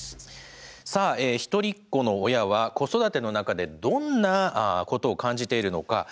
さあひとりっ子の親は子育ての中でどんなことを感じているのか。